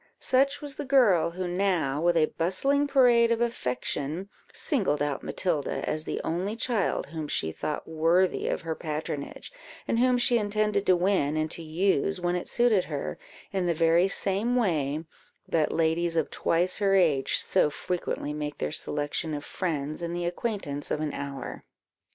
Such was the girl who now, with a bustling parade of affection, singled out Matilda as the only child whom she thought worthy of her patronage, and whom she intended to win and to use, when it suited her, in the very same way that ladies of twice her age so frequently make their selection of friends in the acquaintance of an hour.